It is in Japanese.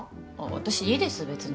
私いいです別に。